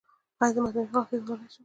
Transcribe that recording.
ایا زه مصنوعي غاښ ایښودلی شم؟